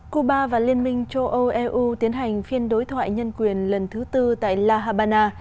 cuba và liên minh châu âu eu tiến hành phiên đối thoại nhân quyền lần thứ tư tại la habana